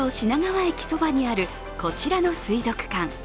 東京・品川駅そばにあるこちらの水族館。